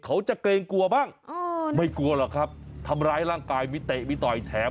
เกรงกลัวบ้างไม่กลัวหรอกครับทำร้ายร่างกายมีเตะมีต่อยแถม